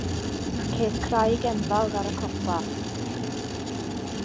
Ceir craig enfawr ar y copa.